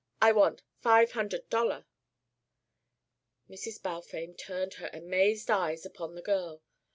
I want five hundert dollar." Mrs. Balfame turned her amazed eyes upon the girl.